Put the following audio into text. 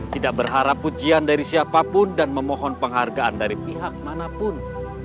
tidak berharap pujian dari siapapun dan memohon penghargaan dari pihak manapun